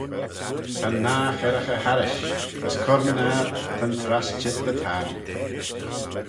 Ta'n nah cherraghey harrish, as cur-my-ner, ta'n trass cheet dy tappee.